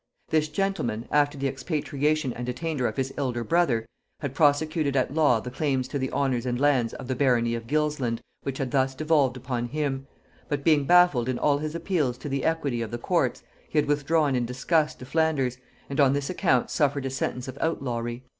This gentleman, after the expatriation and attainder of his elder brother, had prosecuted at law the claims to the honors and lands of the barony of Gilsland which had thus devolved upon him; but being baffled in all his appeals to the equity of the courts, he had withdrawn in disgust to Flanders, and on this account suffered a sentence of outlawry.